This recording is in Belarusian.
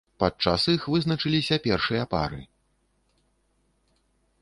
Падчас іх вызначаліся першыя пары.